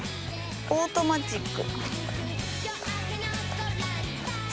オートマチック。